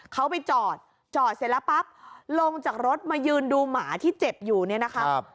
เขาไปจอดจอดเสร็จแล้วปั๊บลงจากรถมายืนดูหมาที่เจ็บอยู่เนี่ยนะครับ